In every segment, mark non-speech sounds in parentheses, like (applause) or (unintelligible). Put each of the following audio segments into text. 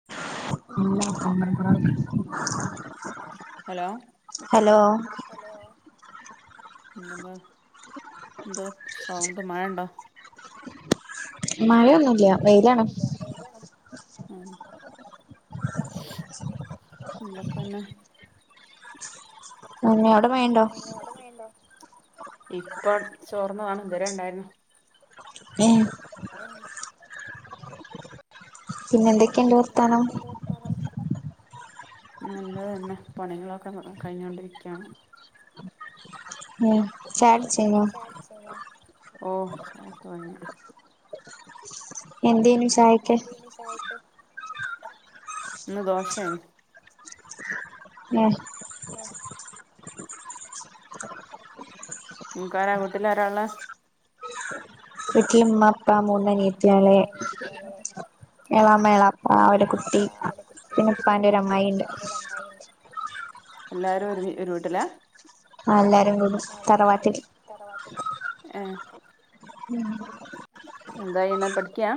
(unintelligible) Hello (unintelligible) എന്തോ sound മഴണ്ടോ? മഴേന്നൂല്ല മഴേന്നൂല്ലാ ആഹ് എന്തൊക്ക പിന്നെ? പിന്നെ അവിടെ മയെണ്ടോ? ഇപ്പൊ ചോറ്ന്നതാണ്. ഇതുവരെ ഇണ്ടായിരുന്നു. (unintelligible) ഏഹ് പിന്നെന്തൊക്കെണ്ട്? പിന്നെ എന്തൊക്കെണ്ട്? നല്ലത് തന്നെ. പണികളൊക്കെ ന കഴിഞ്ഞോണ്ടിരിയ്ക്കാണ്. ഉം ചായുടിച്ചയ്ഞ്ഞോ? ഓഹ് ചായേക്ക കയ്ഞ്ഞു. എന്തേനു ചാ യക്ക്? ഇന്ന് ദോശേയ്നു. ഉം (unintelligible) നിങ്ങ്ക്കാരാ വീട്ടിലാരാ ഒള്ളെ? വീട്ടിലുമ്മ വീട്ടിലുമ്മ ഉപ്പ മൂന്ന് അനിയത്തികള് ഉം എളാമ്മ എളാപ്പ ഒരു കുട്ടി പിന്നുപ്പാന്റെ ഒരു അമ്മായിണ്ട്. എല്ലാരും ഒരുമി ഒരു വീട്ടിലാ? തറവാട്ടിൽ ഏഹ് (unintelligible) എന്തായ്യെണെ പഠിക്കാ?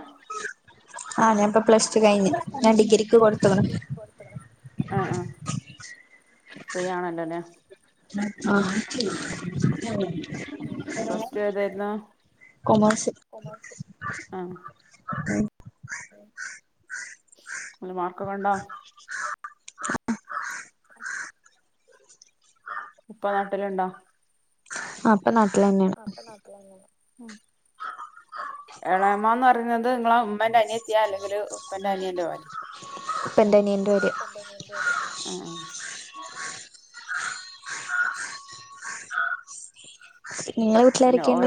ആഹ് ഞാൻപ്പൊ പ്ലസ് ടു കഴിഞ്. ഞാൻ ഡിഗ്രിക്ക് കൊടുത്ത്ക്ക്ണ്. ആഹ് ആഹ് ഫ്രീ ആണല്ലോല്ലേ ആഹ് കോമേഴ്‌സ്. ആഹ് നല്ല മാർക്കൊക്കേണ്ട? (unintelligible) (unintelligible) ഉപ്പ നാട്ടിലുണ്ടോ? ആഹ് ഇപ്പ നാട്ടിലന്നെയാണ്. (unintelligible) ഏളേമ്മ എന്ന് പറയുന്നത് നിങ്ങളെ ഉമ്മേന്റെ അനിയത്തിയാ അല്ലെങ്കില് ഉപ്പേന്റെ അനിയന്റെ ഭാര്യേ? ഉപ്പന്റെ അനിയന്റെ ഭാര്യ. ആഹ് നിങ്ങളെ വീട്ടി പിന്നെ ഓ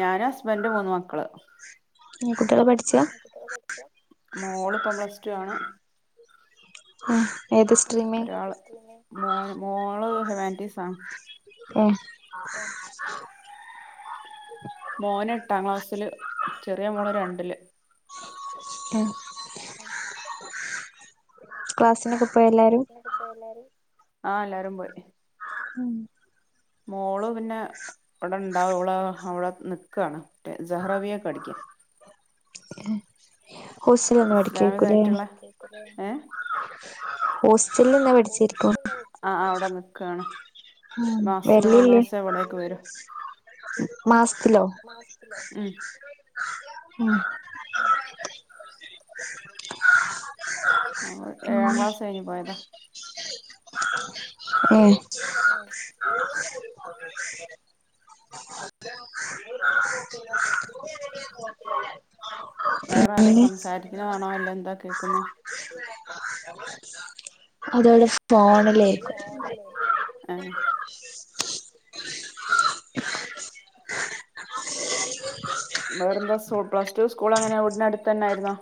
ഞാനും ഹസ്ബന്റ് മൂന്ന് മക്കള്. കുട്ടികള് പഠിച്ചാ? മോള്പ്പം പ്ലസ് ടു ആണ്. ഒരാള് മോന് മോള് ഹെമാൻറ്റീസാ. യേ യേ മോന് എട്ടാം ക്ലാസ്സില് ചെറിയ മോള് രണ്ടില് യേ ക്ലാസ്സ്ന് കു ക്‌ളാസ്നൊക്കെ പോയോ എല്ലാരും ആഹ് എല്ലാരും പോയി ഉം മോള് പിന്നെ ഇവിടെണ്ടാഓള് അവിടെ നിക്കാണ് റ്റേ സഹ്റബിയക്ക് പഠിക്ക്യാ ഇസ്ലാമിക ആയിട്ട്ള്ളെ ഏ ഹോസ്റ്റൽല് നിന്നാ പഠിച്ച് ആഹ് ആഹ് അവിടെ നിക്കാണ് മാസത്തിൽ മൂന്ന് ദിവസെ ഇവടേക്ക് വരൂ മാസ്ത്തിലോ സ്ത്തിലോ ഉം ഉം ഉം അഹ് ഒ ഏഴാം ക്ലാസ് കഴിഞ് പോയതാ ഏ ഏ അല്ല ഇങ്ങള് കാണാൻ പോ (unintelligible) വേറെ ആരോ സംസാരിക്കുന്നേക്കാണാലോ എന്താ കേക്ക്ന്ന് അത് എന്റെ ഫ് അത് എന്റെ ഫോണിലേയ് ആഹ് വേറെ എന്താ സു പ്ലസ്ടു സ്കൂൾ അങ്ങനാ വീട്നടുത്തന്നായിരുന്നോ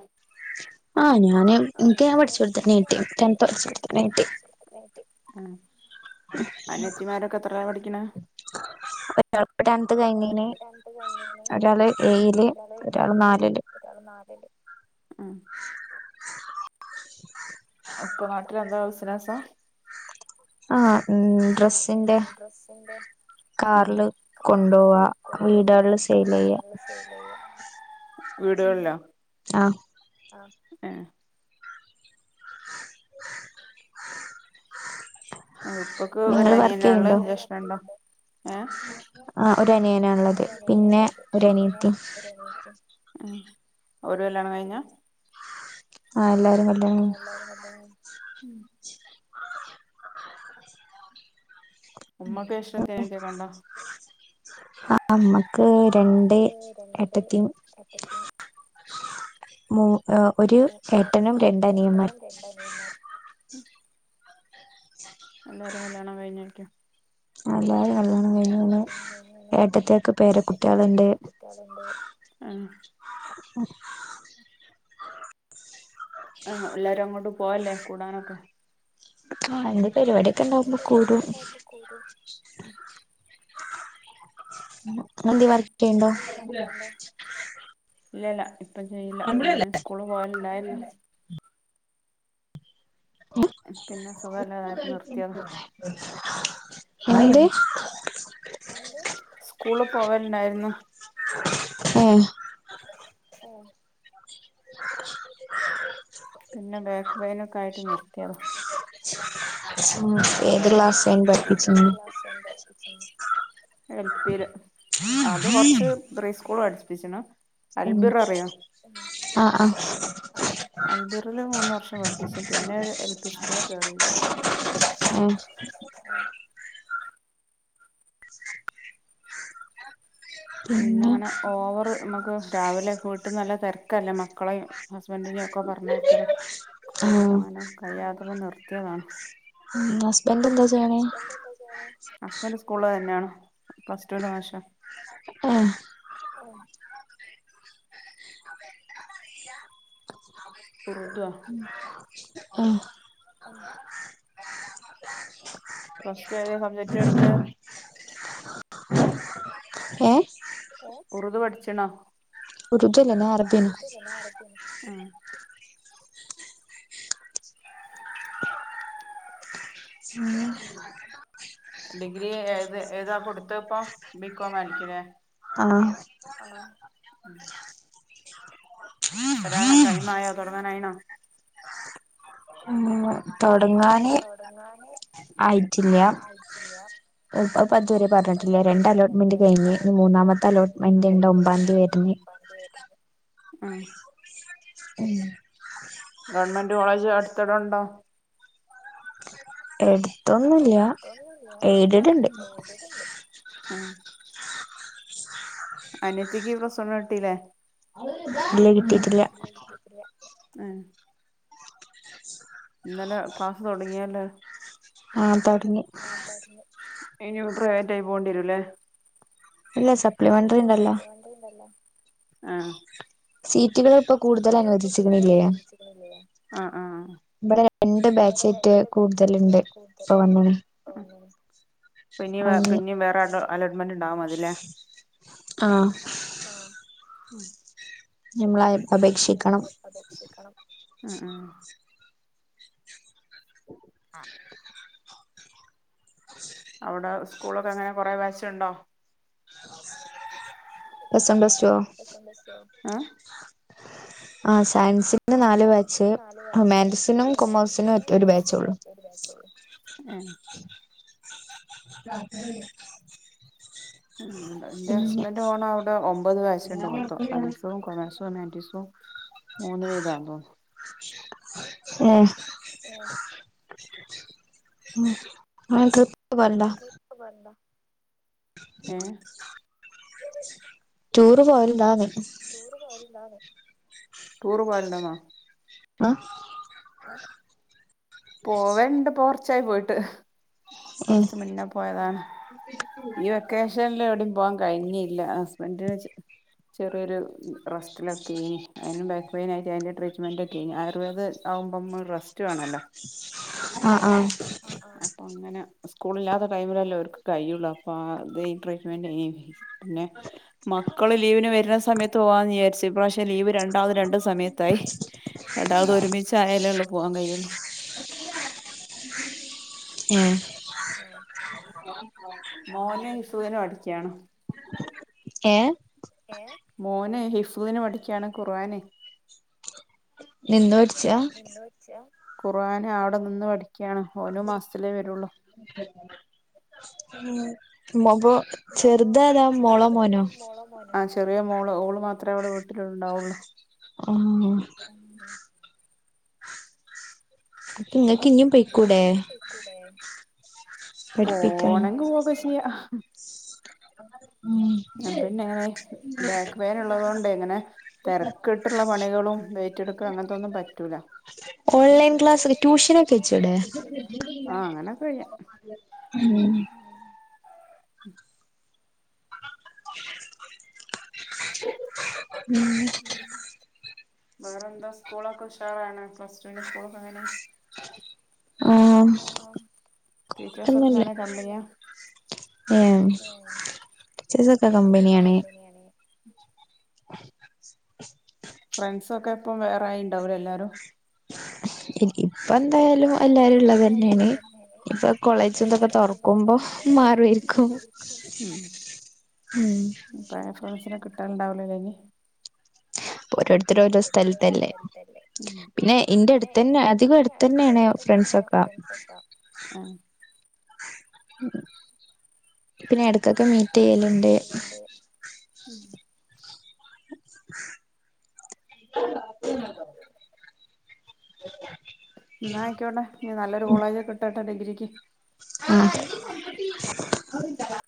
ആഹ് ഞന് ഇൻക് ഞാൻ പഠിച്ചോട്തന്നെ കിട്ടി ടെൺത്ത് പഠിച്ചോട്തന്നെ കിട്ടി കിട്ടി അഹ് അനായത്തിമാരൊക്കെ എത്രലാ പഠിക്ക്ണ് ഒരാള് പ്പൊ ട്ടെൻത്ത് കഴിഞ്ന് ഒരാള് ഏയില് ഒരാള് നാലില് ഒരാള് നാലില് ആഹ് ഉപ്പ നാട്ടിലെന്താ ബിസിനെസ്സാ ആഹ് ഉം ഡ്രസ്സിന്റെ കാർല് കൊണ്ടോവാ വീടാൾല് സെയ്‌ലെയ്യ വീടാള്ലോ ആഹ് ഏ (inaudible) അഹ് ഉപ്പക്ക് ഒരനിയനാ ള്ളഹ് ജേഷ്ഠൻ ഇണ്ടോ ആഹ് ഒരു അനിയനാള്ളത് പിന്നെ ഒരനിയത്തിം ആഹ് ഓര് കല്യാണം കഴിഞ്ഞാ ആഹ് എല്ലാരും കൽ ആഹ് എല്ലാരും കല്യാണം കഴിഞ്ഞ് ഉം ഉം ക്കോ (unintelligible) ആഹ് അമ്മക്ക് രണ്ട് ഏട്ടത്തിം മു ഇഹ് ഒരു ഏട്ടനും രണ്ടനിയമ്മാരും രണ്ടനിയൻമാരും എല്ലാരും കല്യാണം കഴിഞ്ഞാരിക്കും എല്ലാരേം കല്യാണം കഴിഞ്ഞുണു ഏട്ടത്തേക്ക് പേര കുട്ടികളുണ്ട് കുട്ടേളുണ്ട് ആ ആ എല്ലാരും അങ്ങോട്ട് പോവല്ലേ കൂടാനൊക്കെ ആ എന്റെ പെരിപാടിയൊക്കെ ഉണ്ടാവുമ്പോ കൂടും കൂടും ങ്ങളെ ന്തേലും വർക്കെയ്യുണ്ടോ? ഇല്ലല്ല ഇപ്പചെയ്യില്ല ഞാന് സ്കൂള് പോയലുണ്ടായിരുന്നു പിന്നെ സുഖല്ലതായപ്പൊ നിർത്തിയതാ സ്കൂള് പോവലുണ്ടായിരുന്നു ഏ ഏ പിന്നെ ബാക്ക് പെയിനൊക്കെ ആയിട്ട് നിർത്തിയതാ സൊ ഏത് ക്ലാസ്സേരുന്നു പഠപ്പിച്ചീന്ന് (unintelligible) എൽ പീല് ആദ്യം കൊറച്ച് പ്രീ സ്കൂള് പഠിച്ചിപ്പിച്ചിണ് ഉം ആ ആ ആ അ അൽ ബിററിൽ മൂന്ന് വർഷം പഠിപ്പിച്ചേ പിന്നെ എൽ പി സ്കൂളി കേറീന്നു ഏ (inaudible) പിന്നെ അങ്ങനെ ഓവറ് നമുക്ക് രാവിലെ വീട്ടന്ന് നല്ല തെരക്കല്ലെ മക്കളെ ഹസ്ബൻഡിനെയൊക്കെ പറഞ്ഞയക്കലും കൂടി അങ്ങനെ കഴിയാ ത്തപ്പൊ ത്തിയതാണ് ഉം ഹസ്ബന്റ്ന്താ ചെയ്ണെ? ഹസ്ബന്റ് സ്കൂള് തന്നെയാണ് പ്ലസ്റ്റൂല് മാഷാ ആ ഉറുദുഅ ആ ഉം പ്ലസ് ടു ഏത് സബ്ജക്ട എടുത്തെ? ഉറുദ് പഠിച്ച് ണോ? ഉറുദ് അല്ല (unintelligible) (unintelligible) നേരത്തിന് (unintelligible) ഡിഗ്രി ഏത് ഏതാ കൊടുത്തപ്പോ ബികോം ആയിിക്കില്ലേ? ആ ആ ഉം എടാ ടൈം ആയോ തുടങ്ങാനായിണോ? ഉം ഉ തൊടങ്ങാന് ആയിട്ടില്ല. ഇപ്പൊ പത്ത് വരെ പറഞ്ഞിട്ടില്ല രണ്ട് അലോട്ട്മെന്റ് കഴിഞ് ഇനി മൂന്നാമത്തെ അലോട്ട്മെന്റ് ഇണ്ടാവും പറഞ്ഞ്. ഉം ഉം. ഗവൺമെന്റ് കോളേജ് അടുത്തിവിടെ ഉണ്ടോ? എടുത്തൊന്നുല്ല എയിഡെഡ്ണ്ട്. ആ അനിയത്തിക്ക് പ്രസ് വൺ കിട്ടീല്ലേ? ഏഹ് ഇന്നലെ ക്ലാസ് തൊടങ്ങിയലോ? ആഹ് തൊടങ്ങി. ആ തൊടങ്ങി ഇനി പ്രൈവറ്റ് ആയി പോകണ്ടി വരൂല്ലേ? ഇല്ല സപ്ലിമെന്ററി ഇണ്ടല്ലോ? (unintelligible) ആഹ് സീറ്റുകൾ ഇപ്പൊ കൂടുതൽ അനുവദിച്ചിക്കുന്നിലേ? ആഹ് ആഹ്. ഇവിടെ രണ്ട് ബാചേറ്റെ കൂടുതലുണ്ട് ഇപ്പൊ വന്ന്ണ്. ഉം പിന്നി പിന്നീ വേറെ അലോ അലോട്ട്മെന്റ് ഇണ്ടാവാം മതില്ലേ? ആഹ് ആഹ് നമ്മള് അപേക്ഷിക്കണം. അപേക്ഷിക്കണം. ഉം ഉം ആഹ് അവിടെ സ്കൂളൊക്കെ എങ്ങനെ കുറെ ബാച്ച്ണ്ടോ? Plus one പ്ലസ്റ്റോ? ഏഹ് ആ സയൻസി. ആ സയൻസിന് നാല് ബാച്ച് ഹുമാന്റസിനും കൊമേഴ്സിനും ഒറ്റ ഒരു ബാ ചൊള്ളു. ഏഹ് (inaudible) എന്റെ ഹസ്ബൻഡ് പോണ അവിടെ ഒമ്പത് ബാച്ച്ണ്ട് മൊത്തം സയൻസും കൊമേഴ്സും. ഹ്യുമാന്റിസും മൂന്ന് വീത തോന്നുന്നു. ഏഹ് ഏഹ് (unintelligible) ഉ ബന്ദ ടൂറ് പോവല്ണ്ടാന്ന്? ടൂറ് പോവല്ണ്ടാന്ന്? ടൂറ് പോവല്ണ്ടോന്നോ? ആഹ് പോവല്ണ്ട് ഇപ്പോ കുറച്ചായി പോയിട്ട്. കൊറച്ച് മുന്നേ പോയതാ. ഈ വെക്കേഷനിൽ എവിടയും പോവാാൻ കഴിഞ്ഞില്ല ഹസ്ബൻഡിന്. ചെറിയൊരു റസ്റ്റിലൊക്കെ എയ്നി അയിന് ബാക്ക് പെയിനായിട്ട് അതിൻ്റെ ട്രീറ്റ്മെൻറ്റൊക്കെ ഏനി ആയുർവേദ. ആവുമ്പം നമ്മക്ക് റസ്റ്റ് വേണ ലോ? ആഹ് ആഹ് അപ്പ അങ്ങന സ്കൂളില്ലാത്ത ടൈമിലല്ലോ അവർക്ക് കയ്യുള്ളൂ അപ്പൊ അത ട്രീറ്റ്മെന്റ് ഇയ്യെ പിന്നെ, മക്കള് ലീവിന് വരുന്ന സമയത്ത് പോവാന്ന് വിചാരിച്ചു ഇപ്രാവശ്യ ക്ഷെ ലീവ് രണ്ടാൾതും രണ്ട് സമയത്തായി രണ്ടാമത് ഒരുമിച്ച് ആയാലേ ഉള്ളു പോകാൻ കഴിയുള്ളൂ. ഉം മോന് ഹിഫ്ള്ന് പഠിക്കാണ്. ഏഹ് മോനെ ഹിഫ്ള്ന് പഠിക്കാണ് ഖുർആനെ നിന്ന് പടിച്യാ? ച്ചാ ഖുർആൻ അവിടെ നിന്ന് പഠിക്കാണ്, ഓനും മാസത്തിലേ വരു ഒള്ളൂ, പ്പൊ ചെർതേതാ മോളോ മോനോ? ആഹ്, ചെറിയെ മോള് ഓള് മാത്രേ ഇവ്ടെ വീട്ടില് ഇണ്ടാവൊള്ളു, ആഹ്. അപ്പ ഇങ്ങക്ക് ഇഞ്ഞും പൊയിക്കൂടെ? പോണെങ്കി പോവൊക്ക ചെയ്യാ ഉം ഞാൻ പിന്നെ ഇങ്ങനെ ബാക്ക് പെയിൻ ഇള്ളത്‌ കൊണ്ടെ ഇങ്ങനെ തെരക്ക്ട്ട്ള്ള പണികളും വെ റ്റ്ട്ക്ക്ണതും അങ്ങൻതൊന്നും പറ്റൂല, ഓൺലൈ ക്ലാസ് ടൂഷനൊക്കെ വെച്ചൂടെ, ആഹ് അങ്ങനെയൊക്കെ കയ്യും ഉം (unintelligible) (unintelligible) വേറെന്താ സ്കൂളൊക്കെ ഉഷാറാണ്, പ്ലസ് ടു ന്റെ സ്കൂളൊക്കെ എങ്ങനെ? ആഹ് ടീച്ചേർസൊക്കെ എങ്ങനെ കമ്പിനിയാ, ഏഹ് ടിച്ചേസൊക്കെ കമ്പനിയാണ്, ഫ്രണ്ട്സൊക്കെ ഇപ്പം വേറെ ആയീണ്ടാവുലെ എല്ലാരും, ഇപ്പ എന്തായാലും എല്ലാരും ഇള്ളതെന്നേണ് ഇപ്പ കോളേജ് തൊക്കെ തൊർ തൊക്കെ തൊർക്കുമ്പോ മാറിയിരിക്കും ഉം ഉം പയെ ഫ്രൻസിനെ കിട്ടാണ്ടാവൂലലെ ഇനി. പ്പൊരാട് ര് തരോരോ സ്ഥലത്തല്ലേ, പിന്നെ ഇന്റെ എടുത്ത് തന്നെ അധികം എട്ത്തന്നേണ് ഫ്രണ്ട്സൊ ഫ്രണ്ട്സൊക്ക ആഹ് പിന്നെ എടക്കൊക്കെ മീറ്റ് യ്യല്ണ്ട് ഉം ഉ ഇന്നാ ആയ്ക്ക്യോട്ടെ, ഇഞ് നല്ലൊരു കോളേജ്ല് കിട്ടട്ടെ ഡിഗ്രിക്ക്. ആഹ്